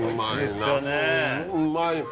うまい。